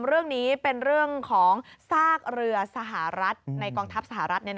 เรื่องนี้เป็นเรื่องของซากเรือสหรัฐในกองทัพสหรัฐ